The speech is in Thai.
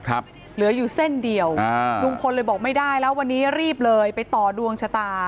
เหลืออยู่เส้นเดียวอ่าลุงพลเลยบอกไม่ได้แล้ววันนี้รีบเลยไปต่อดวงชะตา